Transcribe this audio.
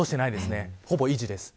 ほぼ維持ですね。